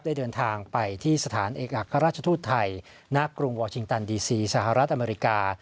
ได้เดินทางไปที่สถานเอกอัครราชทูตไทยณกรุงวอร์ชิงตันดีซีสหรัฐอเมริกา